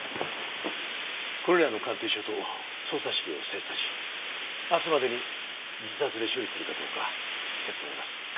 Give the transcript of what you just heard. これらの鑑定書と捜査資料を精査し明日までに自殺で処理するかどうか結論を出す。